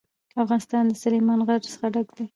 افغانستان له سلیمان غر څخه ډک دی.